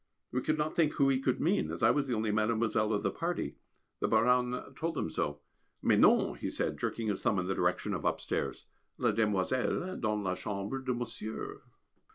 We could not think who he could mean, as I was the only "Mademoiselle" of the party. The Baronne told him so. "Mais non!" he said, jerking his thumb in the direction of upstairs, "La demoiselle dans la chambre de Monsieur."